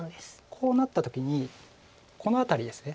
こうなった時にこの辺りです。